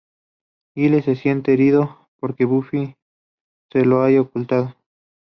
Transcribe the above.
Giles se siente herido porque Buffy se lo haya ocultado.